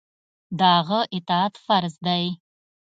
د هغه اطاعت فرض دی.